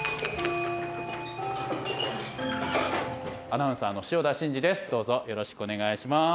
アナウンサーの塩田慎二です。